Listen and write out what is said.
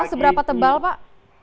apa seberapa tebal pak